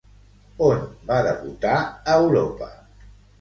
On va debutar a Europa?